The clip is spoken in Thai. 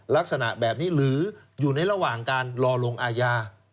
ลักษณะแบบนี้หรืออยู่ในระหว่างการรอลงอาญา